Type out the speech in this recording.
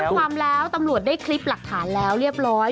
ความแล้วตำรวจได้คลิปหลักฐานแล้วเรียบร้อย